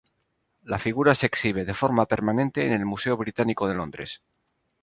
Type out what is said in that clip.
La figura se exhibe de forma permanente en el Museo Británico de Londres.